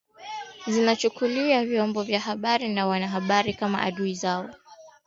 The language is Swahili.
zinachukulia vyombo vya habari na wanahabari kama adui zao